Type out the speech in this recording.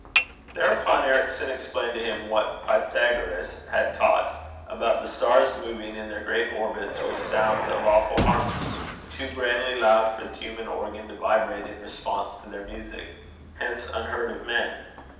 Thereupon Ericson explained to him what Pythagoras had taught about the stars moving in their great orbits with sounds of awful harmony, too grandly loud for the human organ to vibrate in response to their music hence unheard of men.